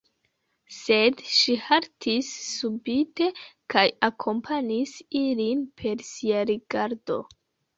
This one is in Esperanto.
Sed ŝi haltis subite kaj akompanis ilin per sia rigardo.